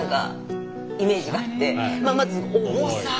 まあまず重さ。